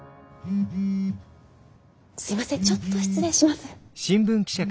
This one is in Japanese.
すいませんちょっと失礼します。